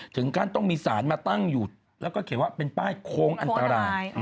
ถึงการต้องมีศาลมาตั้งอยู่และก็เขียวเป็นป้ายโค้งอันตราย